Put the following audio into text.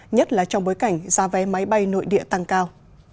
nhất là trong bối cảnh giá vé máy bay nội địa tăng cao